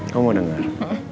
kamu mau dengar